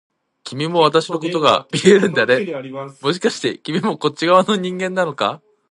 君も私のことが見えるんだね、もしかして君もこっち側の人間なのか？